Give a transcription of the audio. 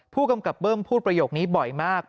ผู้กำกับเบิ้มพูดประโยคนี้บ่อยมาก